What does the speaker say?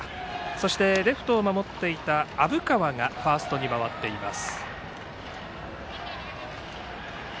そして、レフトを守っていた虻川がファーストに回っています。